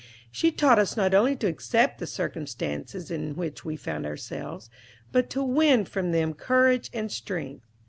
She taught us not only to accept the circumstances in which we found ourselves, but to win from them courage and strength.